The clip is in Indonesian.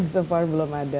so far belum ada